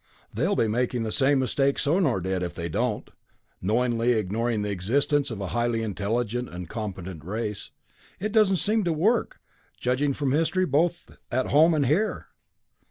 "They'll be making the same mistake Sonor did if they don't knowingly ignoring the existence of a highly intelligent and competent race. It doesn't seem to work, judging from history both at home and here."